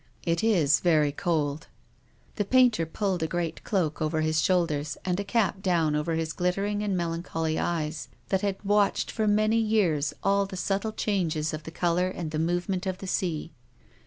" It is very cold." The painter pulled a great cloak over his shoul ders and a cap down over his glittering and melan choly eyes, that had watched for many years all the subtle changes of thccolour and the movement of the sea.